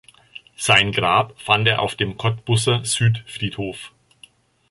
Sein Grab fand er auf dem Cottbuser Südfriedhof.